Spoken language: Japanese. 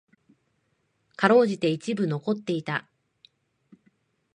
辛うじて一部残っていた。